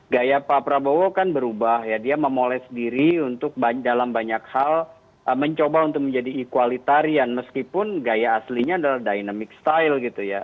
gaya pak prabowo kan berubah ya dia memoles diri untuk dalam banyak hal mencoba untuk menjadi equalitarian meskipun gaya aslinya adalah dynamic style gitu ya